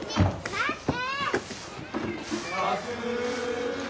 待って！